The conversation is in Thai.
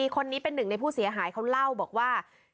คนนี้เป็นหนึ่งในผู้เสียหายเขาเล่าบอกว่า